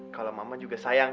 kalau mama juga sayang